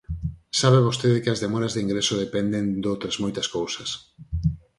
Sabe vostede que as demoras de ingreso dependen doutras moitas cousas.